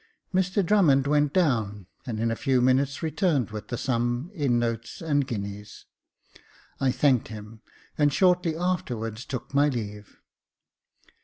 Mr Drummond went down, and in a few minutes returned with the sum, in notes and guineas. I thanked him, and shortly afterwards took my leave.